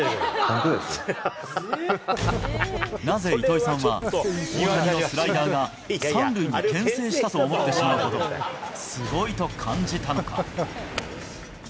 なぜ糸井さんは、大谷のスライダーが３塁にけん制したと思ってしまうほどすごいと感じたのか。